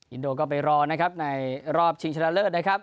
อินโดก็ไปรอนะครับในรอบชิงชนะเลิศนะครับ